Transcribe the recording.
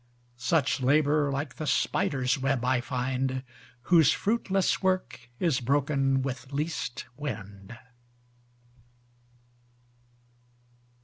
Such labour like the spider's web I find, Whose fruitless work is broken with least wind.